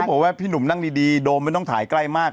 บอกว่าพี่หนุ่มนั่งดีโดมไม่ต้องถ่ายใกล้มาก